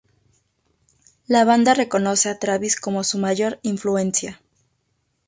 La banda reconoce a Travis como su mayor influencia.